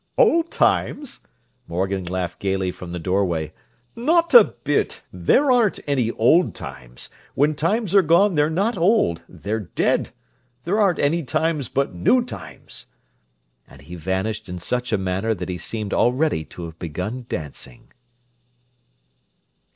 "Old times?" Morgan laughed gaily from the doorway. "Not a bit! There aren't any old times. When times are gone they're not old, they're dead! There aren't any times but new times!" And he vanished in such a manner that he seemed already to have begun dancing.